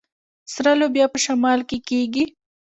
سره لوبیا په شمال کې کیږي.